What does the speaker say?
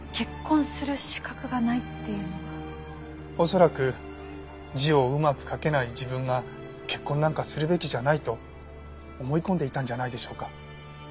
恐らく字をうまく書けない自分が結婚なんかするべきじゃないと思い込んでいたんじゃないでしょうか。